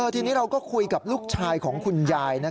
ทีนี้เราก็คุยกับลูกชายของคุณยาย